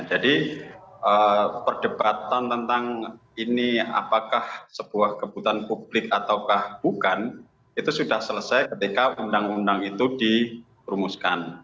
jadi perdebatan tentang ini apakah sebuah kebutuhan publik ataukah bukan itu sudah selesai ketika undang undang itu dirumuskan